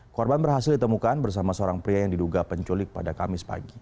korban berhasil ditemukan bersama seorang pria yang diduga penculik pada kamis pagi